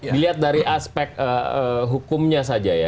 dilihat dari aspek hukumnya saja ya